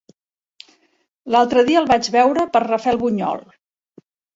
L'altre dia el vaig veure per Rafelbunyol.